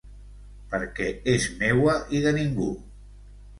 Perquè és meua i de ningú.